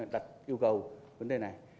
đặt yêu cầu vấn đề này